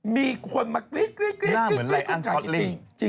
มีคนมากรีดกรีดกรีดกรีดขายขิดจริงหรือ